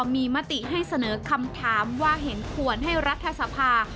มีมติให้เสนอคำถามว่าเห็นควรให้รัฐสภา